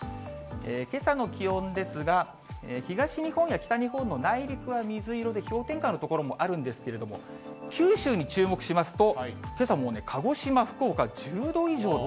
けさの気温ですが、東日本や北日本の内陸は水色で氷点下の所もあるんですけれども、九州に注目しますと、けさもうね、鹿児島、福岡、１０度以上と。